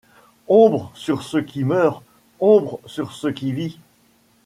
Ombre sur ce qui meurt ! ombre sur ce qui vit !